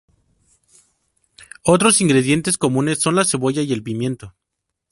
Otros ingredientes comunes son la cebolla y el pimiento.